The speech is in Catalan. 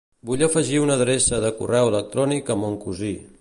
Vull afegir una adreça de correu electrònic a mon cosí.